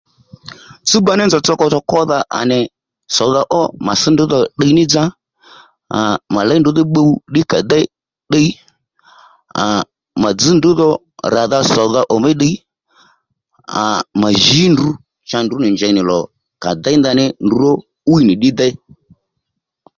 Tsúba ní nzǒw tsotso kwódha à nì sòdha ó mà sš ndrǔ dhò ddiy ní dza à mà léy ndrǔdhí bbuw ddí déy ddiy à mà dzž ndrǔ dhò ràdha sòdha ò mí ddiy à mà jǐ ndrǔ cha ndrǔ nì njěy nì lò à déy ndrǔ dhò ndrǔ ró 'wíy nì ddí déy